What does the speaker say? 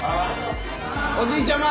おじいちゃま。